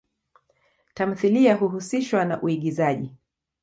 Tamthilia huhusishwa na uigizaji.